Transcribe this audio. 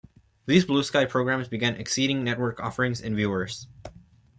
These blue sky programs began exceeding network offerings in viewers.